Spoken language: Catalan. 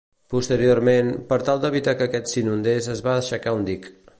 Posteriorment, per tal d'evitar que aquest s'inundés es va aixecar un dic.